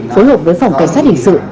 phối hợp với phòng cảnh sát hình sự